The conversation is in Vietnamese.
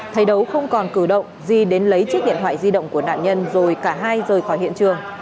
thấy đấu không còn cử động di đến lấy chiếc điện thoại di động của nạn nhân rồi cả hai rời khỏi hiện trường